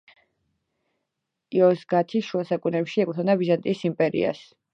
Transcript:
იოზგათი შუა საუკუნეებში ეკუთვნოდა ბიზანტიის იმპერიას.